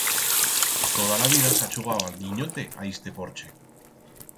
Toda la vida s'ha chugau a'l guinyote a iste porche.